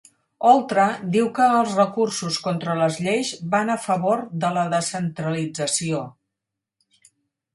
Oltra diu que els recursos contra les lleis van a favor de la descentralització